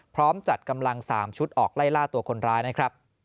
พร้อมจัดกำลัง๓ชุดออกไล่ล่าตัวคนร้ายนะครับ